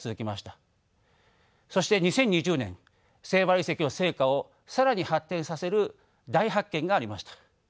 そして２０２０年セイバル遺跡の成果を更に発展させる大発見がありました。